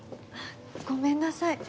ごめんなさい。